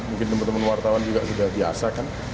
mungkin teman teman wartawan juga sudah biasa kan